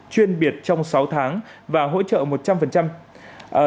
chuyên biệt trong sáu tháng và hỗ trợ một trăm linh